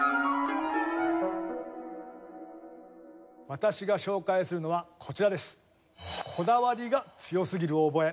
私が紹介するのはこちらです。